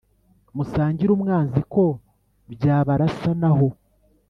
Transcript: musangire umwanzi ko byabarasanaho ?